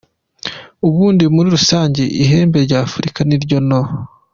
Ubundi muri rusange ihembe ry’Africa niryo no.